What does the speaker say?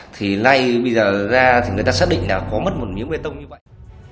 thì nay bây giờ ra thì người ta xác định là có mất một miếng bê tông như vậy